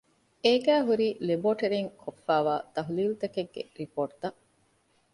އޭގައި ހުރީ ލެބޯޓެރީން ކޮށްފައިވާ ތަހުލީލުތަކެއްގެ ރިޕޯޓުތައް